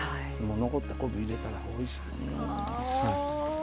残った昆布入れたらおいしい。